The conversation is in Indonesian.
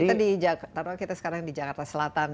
kita di jakarta kita sekarang di jakarta selatan